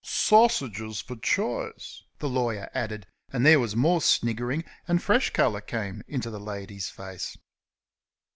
"Sausages for choice," the lawyer added, and there was more sniggering, and fresh colour came into the lady's face.